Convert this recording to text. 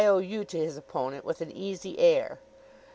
O.U. to his opponent with an easy air.